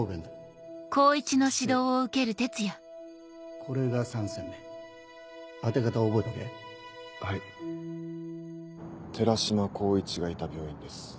そしてこれが三尖弁当て方を覚えとけはい寺島光一がいた病院です。